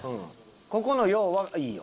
ここの洋はいいよ。